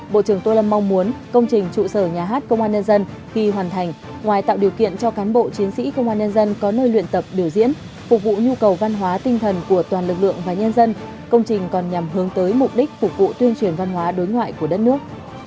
bộ trưởng tô lâm mong muốn công trình trụ sở nhà hát công an nhân dân khi hoàn thành ngoài tạo điều kiện cho cán bộ chiến sĩ công an nhân dân có nơi luyện tập biểu diễn phục vụ nhu cầu văn hóa tinh thần của toàn lực lượng và nhân dân công trình còn nhằm hướng tới mục đích phục vụ tuyên truyền văn hóa đối ngoại của đất nước